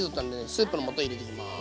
スープの素入れていきます。